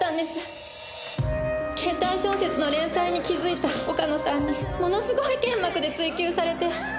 ケータイ小説の連載に気づいた岡野さんにものすごい剣幕で追及されて。